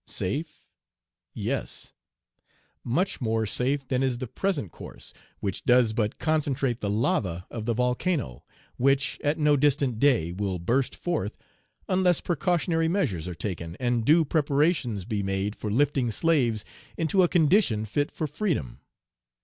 Safe? yes, much more safe than is the present course, which does but concentrate the lava of the volcano, which, at no distant day, will burst forth, unless precautionary measures are taken, and due preparations be made for lifting slaves into a condition fit for freedom.